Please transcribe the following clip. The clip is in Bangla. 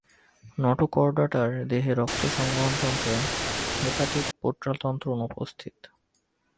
নটোকর্ডাটার দেহে রক্ত সংবহন তন্ত্রে হেপাটিক পোর্টালতন্ত্র অনুপস্থিত।